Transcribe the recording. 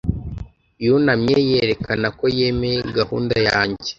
Yunamye yerekana ko yemeye gahunda yanjye.